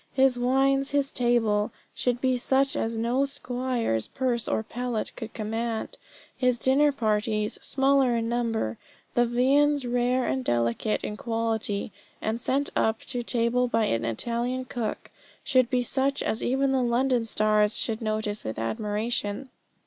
His wines, his table, should be such as no squire's purse or palate could command. His dinner parties small in number, the viands rare and delicate in quality, and sent up to table by an Italian cook should be such as even the London stars should notice with admiration.